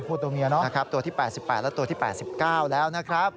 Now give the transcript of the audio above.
ตัวเมียเนาะนะครับตัวที่๘๘และตัวที่๘๙แล้วนะครับ